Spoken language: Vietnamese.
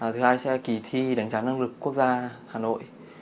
thứ hai sẽ là kỳ thi đánh giá năng lực quốc gia hà nội